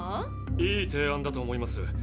いい提案だと思います。